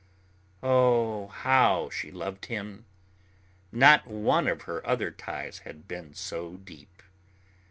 Oh, how she loved him! Not one of her other ties had been so deep.